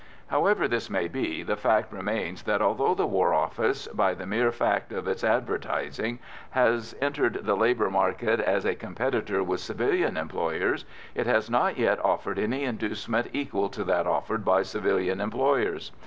However this may be, the fact remains that, although the War Office by the mere fact of its advertising has entered the labour market as a competitor with civilian employers, it has not yet offered any inducement equal to that offered by civilian employers.